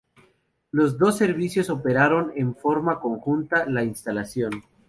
Los dos servicios operaron en forma conjunta la instalación.